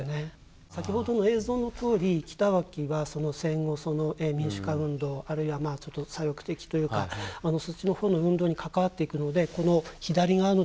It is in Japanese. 先ほどの映像のとおり北脇は戦後その民主化運動あるいはちょっと左翼的というかそっちのほうの運動に関わっていくのでこの左側のですね